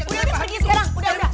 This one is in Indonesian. udah pergi sekarang udah udah